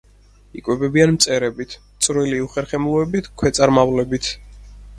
იკვებებიან მწერებით; წვრილი უხერხემლოებით, ქვეწარმავლებით.